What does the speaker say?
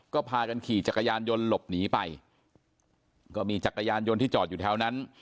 ก็พากันขี่จักรยานยนต์หลบหนีไปก็มีจักรยานยนต์ที่จอดอยู่แถวนั้น